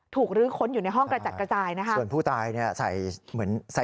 รื้อค้นอยู่ในห้องกระจัดกระจายนะคะส่วนผู้ตายเนี่ยใส่เหมือนใส่